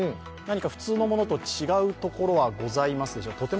普通のものと違うところはございますでしょうか。